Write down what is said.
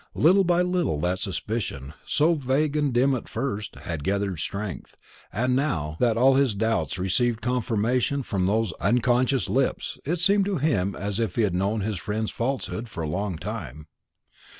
Little by little that suspicion, so vague and dim at first, had gathered strength, and now that all his doubts received confirmation from those unconscious lips, it seemed to him as if he had known his friend's falsehood for a long time.